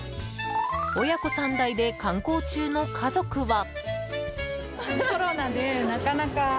親子３代で観光中の家族は。